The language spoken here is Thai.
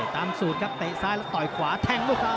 ตามสูตรครับเตะซ้ายแล้วต่อยขวาแทงด้วยครับ